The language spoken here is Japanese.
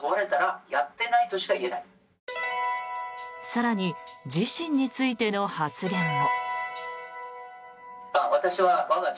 更に、自身についての発言も。